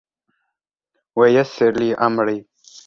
وَيَسِّرْ لِي أَمْرِي